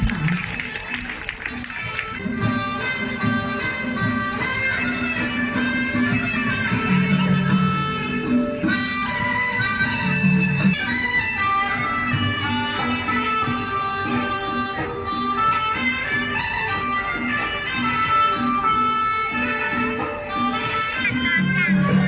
สวัสดีครับคุณพ่อสวัสดีครับคุณพ่อ